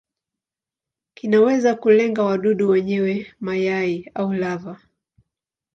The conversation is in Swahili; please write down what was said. Kinaweza kulenga wadudu wenyewe, mayai au lava.